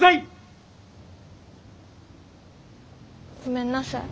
ごめんなさい。